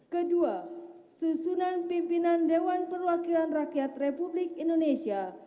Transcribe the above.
kedua susunan pimpinan dewan perwakilan rakyat republik indonesia